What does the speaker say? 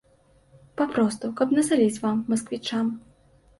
Папросту каб насаліць вам, масквічам.